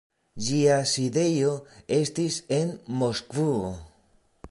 Ĝia sidejo estis en Moskvo.